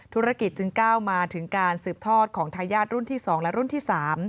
ธุรกิจจึงก้าวมาถึงการสืบทอดของทายาทรุ่นที่๒และรุ่นที่๓